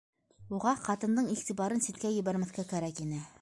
Уға ҡатындың иғтибарын ситкә ебәрмәҫкә кәрәк ине.